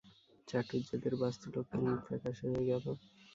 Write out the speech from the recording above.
চাটুজ্যেদেরও বাস্তুলক্ষ্মীর মুখ ফ্যাকাশে হয়ে গেল।